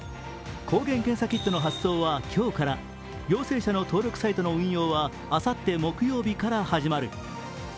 抗原検査キットの発送は今日から陽性者の登録サイトの運用はあさって木曜日から始まる。